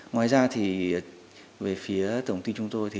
ngoài ra về phía tổng tin chúng tôi